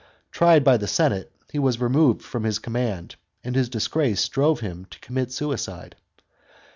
Tried by the senate, he was removed from his command, and his disgrace drove him to commit suicide.